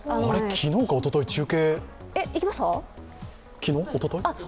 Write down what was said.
昨日かおととい、中継おととい？